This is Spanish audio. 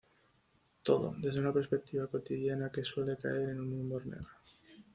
Todo, desde una perspectiva cotidiana que suele caer en un humor negro.